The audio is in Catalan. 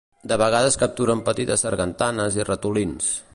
De vegades capturen petites sargantanes i ratolins.